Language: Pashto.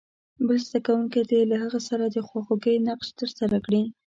بل زده کوونکی دې له هغه سره د خواخوږۍ نقش ترسره کړي.